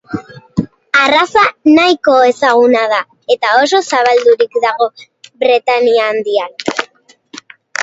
Arraza nahiko ezaguna da eta oso zabaldurik dago Bretainia Handian.